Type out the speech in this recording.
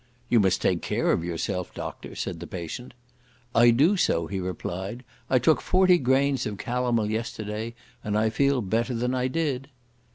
"You must take care of yourself, Doctor," said the patient; "I do so," he replied, "I took forty grains of calomel yesterday, and I feel better than I did."